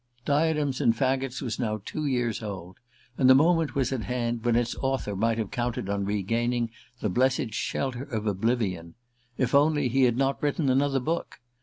"Diadems and Faggots" was now two years old, and the moment was at hand when its author might have counted on regaining the blessed shelter of oblivion if only he had not written another book!